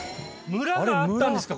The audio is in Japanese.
村があったんですか？